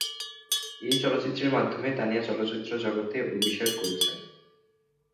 এই চলচ্চিত্রের মাধ্যমে তানিয়া চলচ্চিত্র জগতে অভিষেক করেছেন।